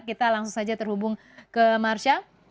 kita langsung saja terhubung ke marsha